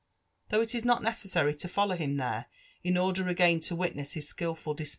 Though it is not necessary to follow him there, in order again to witness his skilful dis .